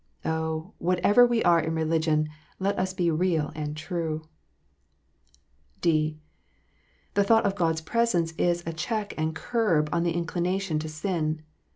Oh, whatever we are in religion, let us be real and true ! (d) The thought of God s presence is a check and curb on the inclination to sin.